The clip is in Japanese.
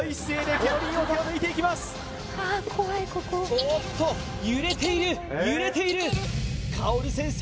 おおっと揺れている揺れている薫先生